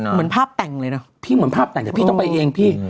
เหมือนภาพแต่งเลยนะพี่เหมือนภาพแต่งแต่พี่ต้องไปเองพี่